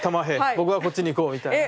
僕はこっちに行こうみたいな。